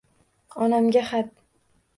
Onamga xat